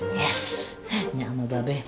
iya enggak mau babes